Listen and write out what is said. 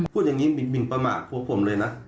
พูดอย่างนี้หมินประมาทพวกผมเลยนะ